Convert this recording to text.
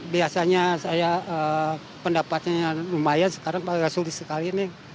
biasanya saya pendapatnya lumayan sekarang sulit sekali